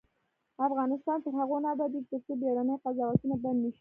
افغانستان تر هغو نه ابادیږي، ترڅو بیړني قضاوتونه بند نشي.